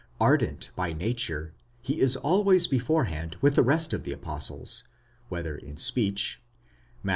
Ardent by nature, he is always beforehand: with the rest of the apostles, whether in speech (Matt.